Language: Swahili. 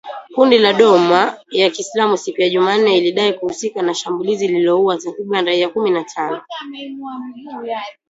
Kundi la doma ya kiislamu siku ya Jumanne lilidai kuhusika na shambulizi lililoua takribani raia kumi na tano